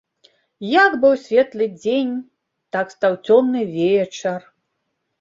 Як быў светлы дзень, так стаў цёмны вечар.